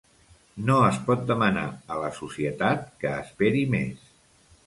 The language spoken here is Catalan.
No es pot demanar a la societat que esperi més